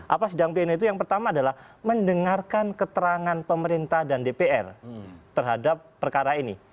apa sidang pleno itu yang pertama adalah mendengarkan keterangan pemerintah dan dpr terhadap perkara ini